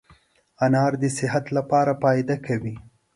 انار دي صحت لپاره فایده کوي